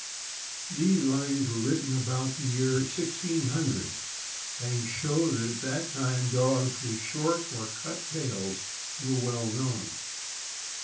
These lines were written about the year 1600, and show that at that time dogs with short or cut tails were well known.